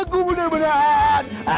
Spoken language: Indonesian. aku mudah menahan